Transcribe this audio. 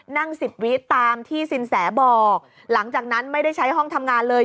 สิบวิตามที่สินแสบอกหลังจากนั้นไม่ได้ใช้ห้องทำงานเลย